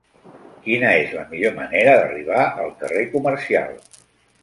Quina és la millor manera d'arribar al carrer Comercial?